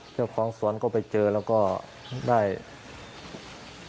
เจ้าของสวนก็ไปเจอแล้วก็ได้